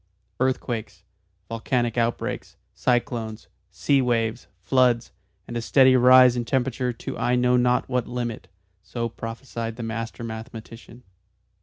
"Earthquakes, volcanic outbreaks, cyclones, sea waves, floods, and a steady rise in temperature to I know not what limit" so prophesied the master mathematician.